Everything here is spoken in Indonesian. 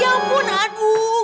ya ampun aduh